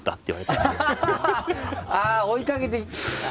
ああ追いかけて。